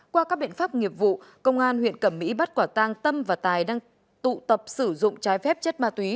qua các biện pháp nghiệp vụ công an huyện cẩm mỹ bắt quả tang tâm và tài đang tụ tập sử dụng trái phép chất ma túy